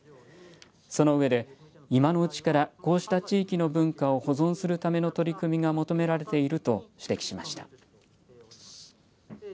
その上で今のうちからこうした地域の文化を保存するための取り組みが求められていると指摘しました。